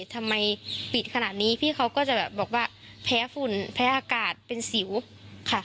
ทำไมปิดขนาดนี้พี่เขาก็จะแบบบอกว่าแพ้ฝุ่นแพ้อากาศเป็นสิวค่ะ